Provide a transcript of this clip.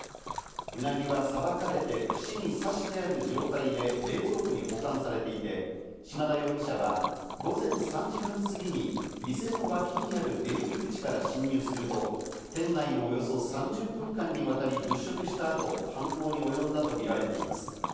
うなぎはさばかれて串に刺してある状態で冷蔵庫に保管されていて、島田容疑者は、午前３時半過ぎに店の脇にある出入り口から侵入すると、店内をおよそ３０分間にわたり、物色したあと犯行におよんだとみられています。